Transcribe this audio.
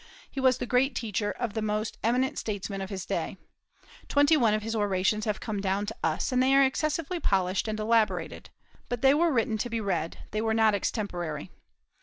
He was the great teacher of the most eminent statesmen of his day. Twenty one of his orations have come down to us, and they are excessively polished and elaborated; but they were written to be read, they were not extemporary.